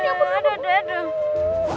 aduh aduh aduh aduh